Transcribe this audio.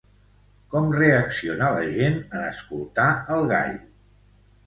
Com reacciona la gent en escoltar el gall?